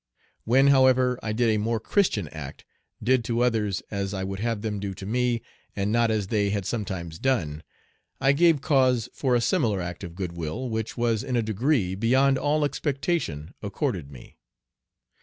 When, however, I did a more Christian act, did to others as I would have them do to me, and not as they had sometimes done, I gave cause for a similar act of good will, which was in a degree beyond all expectation accorded me.